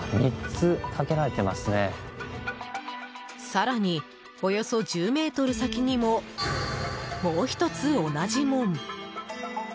更に、およそ１０ｍ先にももう１つ同じ門。